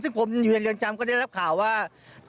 ซึ่งผมอยู่ในเรือนจำก็ได้รับข่าวว่า